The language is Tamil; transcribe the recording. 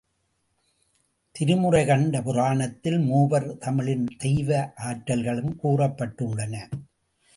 திருமுறைகண்ட புராணத்தில், மூவர் தமிழின் தெய்வ ஆற்றல்களும் கூறப்பட்டுள்ளன.